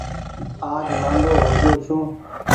آج مآندو هوگيو ڇون ۔